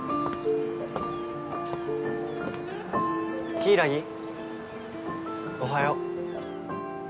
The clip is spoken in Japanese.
柊おはよ。